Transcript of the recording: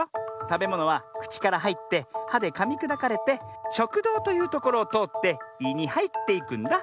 たべものはくちからはいって「は」でかみくだかれて「しょくどう」というところをとおって「い」にはいっていくんだ。